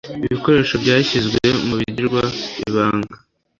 Ibikoresho byashyizwe mu bigirirwa ibanga